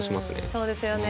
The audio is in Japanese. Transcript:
そうですよね。